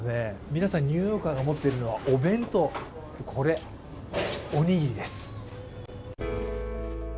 皆さんニューヨーカーが持っているのはお弁当、これ、おにぎりです。